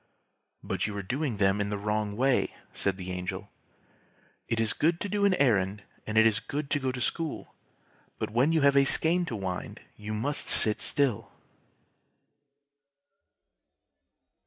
"But you were doing them in the wrong way!" said the Angel. "It is good to do an errand, and it is good to go to school, but when you have a skein to wind you must sit still."